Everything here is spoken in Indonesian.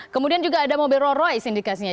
kemudian juga ada mobil roy roy sindikasinya